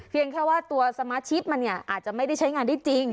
เพียงแค่ว่าตัวสมาชิกมันอาจจะไม่ได้ใช้งานได้จริง